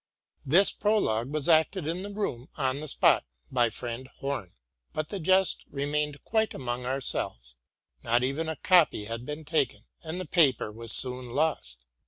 This prologue was acted in the room, on the spot, by friend Horny but the jest remained quite among ourselyes, not even a copy had been taken ; and the paper was soon lost.